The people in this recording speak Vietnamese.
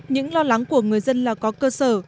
những lo lắng của người dân là có cơ sở